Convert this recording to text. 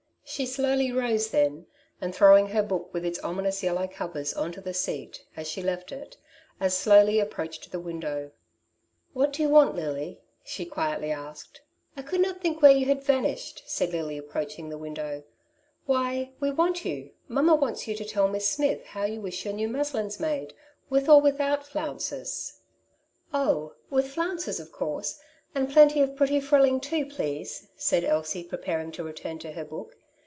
She slowly rose then, and throwing her book with its ominous yellow covers on to the seat, as she left it, as slowly approached the window. " What do you want, Lily ?^^ she quietly asked. ^'I could not think where you had vanished/' said Lily, approaching the window. ^^ Why, we want you ; mamma wants you to tell Miss Smith how you wish your new muslins made, with or without flounces/' *' Oh, with flounces of course, and plenty of pretty frilling too, please/' said Elsie, preparing to return to her book.